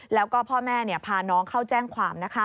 แล้วก็พ่อแม่พาน้องเข้าแจ้งความ